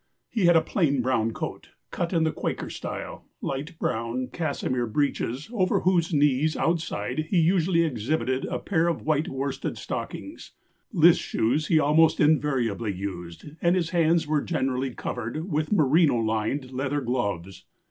He had a plain brown coat, cut in the Quaker style; light brown cassimere breeches, over whose knees outside he usually exhibited a pair of white worsted stockings; list shoes he almost invariably used; and his hands were generally covered with merino lined leather gloves.